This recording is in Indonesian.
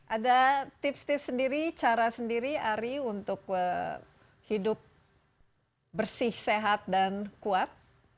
ada tips tips sendiri cara sendiri ari untuk hidup bersih sehat dan kuat